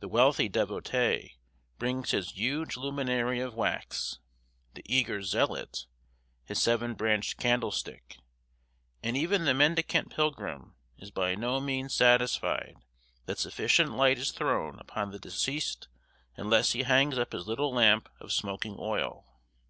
The wealthy devotee brings his huge luminary of wax, the eager zealot, his seven branched candlestick; and even the mendicant pilgrim is by no means satisfied that sufficient light is thrown upon the deceased unless he hangs up his little lamp of smoking oil.